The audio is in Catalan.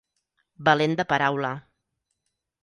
Valent de paraula.